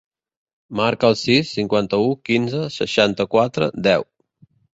Marca el sis, cinquanta-u, quinze, seixanta-quatre, deu.